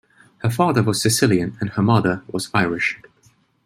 Her father was Sicilian and her mother was Irish.